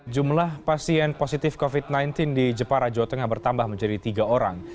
jumlah pasien positif covid sembilan belas di jepara jawa tengah bertambah menjadi tiga orang